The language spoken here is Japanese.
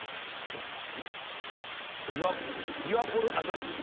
ビワコルアザラシ。